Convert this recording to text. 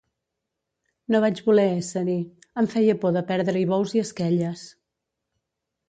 No vaig voler ésser-hi: em feia por de perdre-hi bous i esquelles.